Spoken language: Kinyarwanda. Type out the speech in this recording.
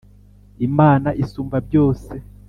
Imana Isumbabyose.